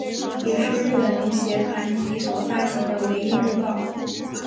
也是日本农协团体所发行的唯一日报。